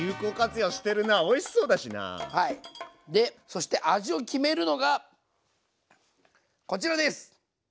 そして味を決めるのがこちらです！